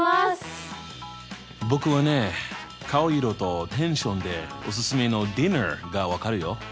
僕はね顔色とテンションでおすすめのディナーが分かるよ！